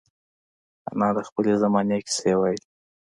انا د خپلې زمانې کیسې وايي